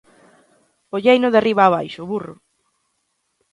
Olleino de arriba abaixo: ¡burro!